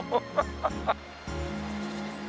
ハハハハ。